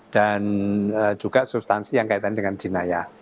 dan juga substansi yang kaitan dengan jinayat